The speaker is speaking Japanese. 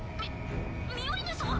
ミミオリネさん？